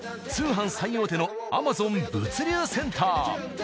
通販最大手のアマゾン物流センター。